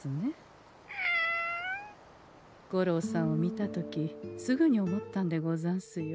五郎さんを見た時すぐに思ったんでござんすよ。